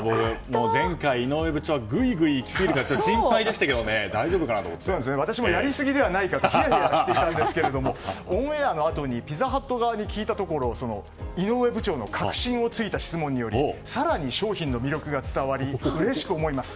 前回、井上部長がぐいぐい行きすぎて私もやりすぎではないかとひやひやしていたんですけれどもオンエアのあとにピザハット側に聞いたところ井上部長の核心を突いた質問により更に商品の魅力が伝わりうれしく思います。